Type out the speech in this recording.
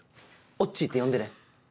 「おっちー」って呼んでね。